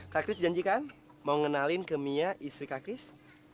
kak kris dijanjikan mau ngenalin ke mia istri kak kris